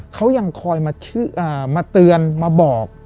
เขายังคอยมาเตือนมาบอก